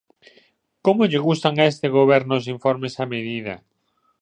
¡Como lle gustan a este goberno os informes á medida!